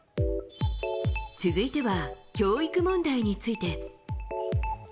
続いては教育問題について。